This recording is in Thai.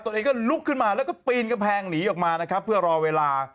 ตัวเองก็ลุกขึ้นมาแล้วก็ปีนกำแพงหนีออกมานะครับเพื่อรอเวลา